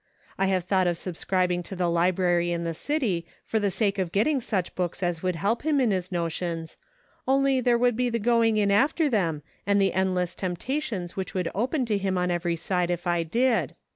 I have thought of subscribing to the library in the city, for the sake of his getting such books as would help him in his notions, only there would be the going in after them and the endless temptations which would open to him on every side if I did.